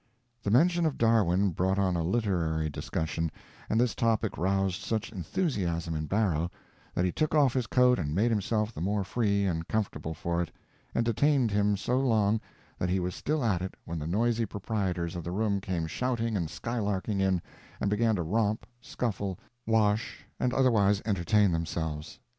The mention of Darwin brought on a literary discussion, and this topic roused such enthusiasm in Barrow that he took off his coat and made himself the more free and comfortable for it, and detained him so long that he was still at it when the noisy proprietors of the room came shouting and skylarking in and began to romp, scuffle, wash, and otherwise entertain themselves.